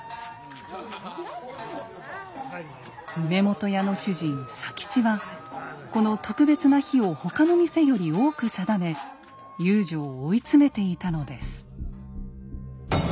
梅本屋の主人佐吉はこの特別な日を他の店より多く定め遊女を追い詰めていたのです。